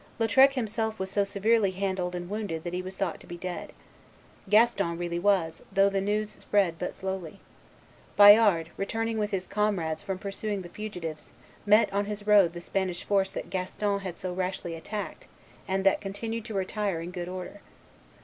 Lautrec himself was so severely handled and wounded that he was thought to be dead. Gaston really was, though the news spread but slowly. Bayard, returning with his comrades from pursuing the fugitives, met on his road the Spanish force that Gaston had so rashly attacked, and that continued to retire in good order.